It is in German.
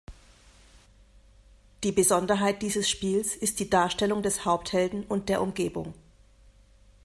Die Besonderheit dieses Spiels ist die Darstellung des Haupthelden und der Umgebung.